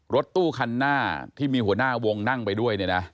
รถตู้คันหน้าที่มีหัวหน้าวงนั่งไปด้วยเนี่ยนะ